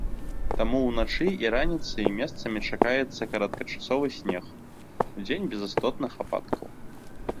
Таму ўначы і раніцай месцамі чакаецца кароткачасовы снег, удзень без істотных ападкаў.